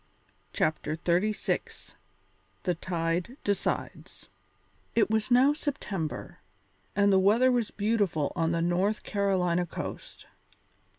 CHAPTER XXXVI THE TIDE DECIDES It was now September, and the weather was beautiful on the North Carolina coast.